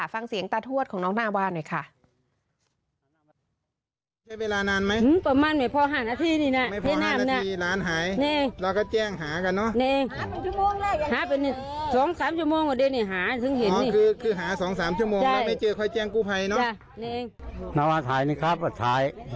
ฟังเสียงตาทวดของน้องนาวาหน่อยค่ะ